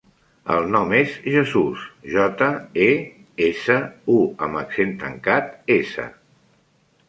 El nom és Jesús: jota, e, essa, u amb accent tancat, essa.